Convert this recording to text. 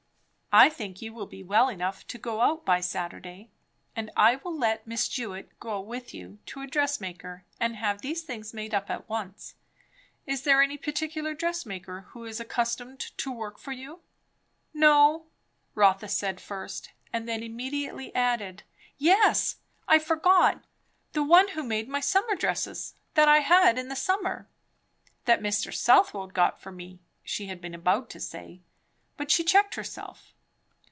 "I think you will be well enough to go out by Saturday and I will let Miss Jewett go with you to a dress maker and have these things made up at once. Is there any particular dress maker who is accustomed to work for you?" "No," Rotha said first, and then immediately added "Yes! I forgot; the one who made my summer dresses, that I had in the summer." That Mr. Southwode got for me, she had been about to say; but she checked herself.